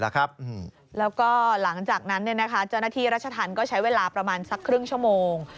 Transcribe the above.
แล้วก็หลังจากนั้นเจ้าหน้าที่รัชธรรมก็ใช้เวลาประมาณสักครึ่งชั่วโมง